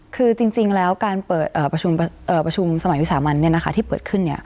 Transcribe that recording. คือจริงแล้วการเปิดประชุมสมัยวิสามันเนี่ยนะคะที่เปิดขึ้นเนี่ย